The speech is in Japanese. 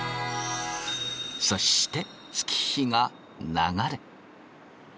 そして月日が流れ。